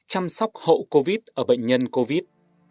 chăm sóc hậu covid ở bệnh nhân covid